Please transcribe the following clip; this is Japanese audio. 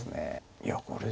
いやこれ。